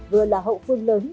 vừa là hậu phương lớn